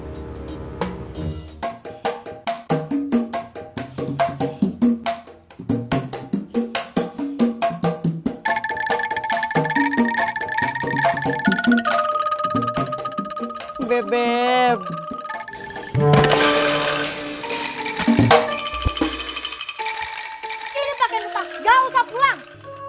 ini pake depah gak usah pulang